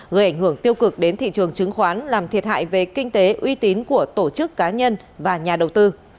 gây ảnh hưởng tiêu cực đến thị trường chứng khoán làm thiệt hại về kinh tế uy tín của tổ chức cá nhân và nhà đầu tư